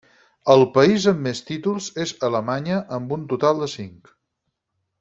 El país amb més títols és Alemanya amb un total de cinc.